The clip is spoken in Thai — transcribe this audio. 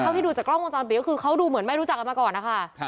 ที่ดูจากกล้องวงจรปิดก็คือเขาดูเหมือนไม่รู้จักกันมาก่อนนะคะ